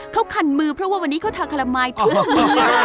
เขาคันมือเพราะว่าวันนี้เขาทาขาลามายเท่านั้น